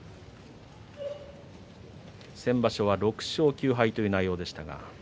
先場所は６勝９敗という内容でした。